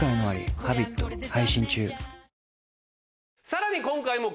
さらに今回も。